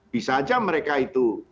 bisa saja mereka itu